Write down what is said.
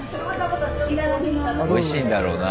おいしいんだろうな。